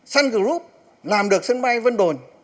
sun group làm được sân bay vân đồn